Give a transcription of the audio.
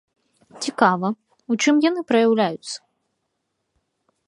Цікава, у чым яны праяўляюцца?